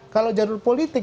kalau jalur politik